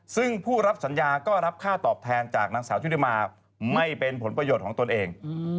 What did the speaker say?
ซึ่งผู้รับสัญญาก็รับค่าตอบแทนจากนางสาวชุติมาไม่เป็นผลประโยชน์ของตนเอง